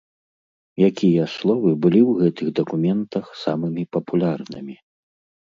Якія словы былі ў гэтых дакументах самымі папулярнымі?